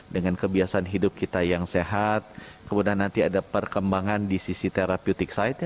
dengan kebiasaan hidup kita yang sehat kemudian nanti ada perkembangan di sisi terapiutic side